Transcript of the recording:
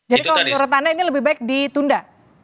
jadi kalau menurut anda ini lebih baik ditunda